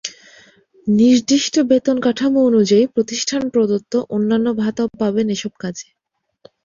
নির্দিষ্ট বেতন কাঠামো অনুযায়ী প্রতিষ্ঠান প্রদত্ত অন্যান্য ভাতাও পাবেন এসব কাজে।